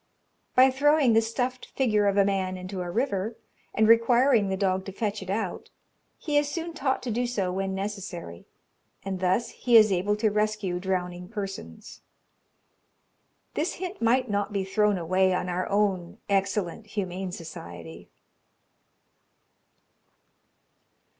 By throwing the stuffed figure of a man into a river, and requiring the dog to fetch it out, he is soon taught to do so when necessary, and thus he is able to rescue drowning persons. This hint might not be thrown away on our own excellent Humane Society.